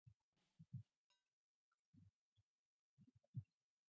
He directed the Institute of Demography at the Higher School of Economics.